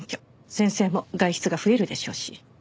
先生も外出が増えるでしょうし。